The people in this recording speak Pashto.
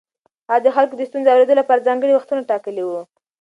هغه د خلکو د ستونزو اورېدو لپاره ځانګړي وختونه ټاکلي وو.